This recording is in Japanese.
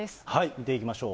見ていきましょう。